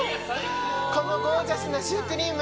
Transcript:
このゴージャスなシュークリーム。